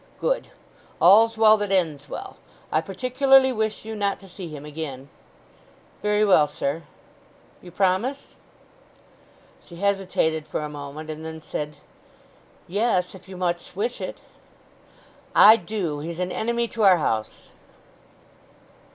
"Good. All's well that ends well. I particularly wish you not to see him again." "Very well, sir." "You promise?" She hesitated for a moment, and then said— "Yes, if you much wish it." "I do. He's an enemy to our house!"